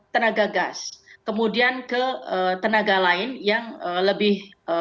tenaga gas kemudian ke tenaga lain yang lebih